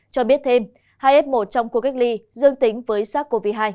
cho biết thêm hai f một trong khu cách ly dương tính với sars cov hai